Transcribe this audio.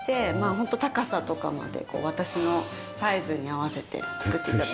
ホント高さとかまで私のサイズに合わせて作って頂きました。